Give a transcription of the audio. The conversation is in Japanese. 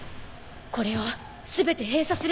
これを全て閉鎖すれば。